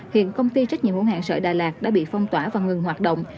hiện công ty trách nhiệm hữu hạn sở đà lạt đã bị phong tỏa và ngừng hoạt động